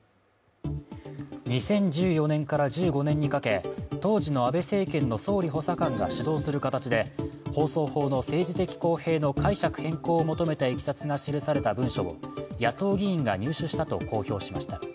２０１４年から２０１５年にかけ、当時の安倍政権の総理補佐官が主導する形で放送法の政治的公平の解釈変更を求めたいきさつが記された文書を野党議員が入手したと公表しました。